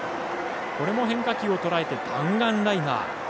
これも変化球をとらえて弾丸ライナー。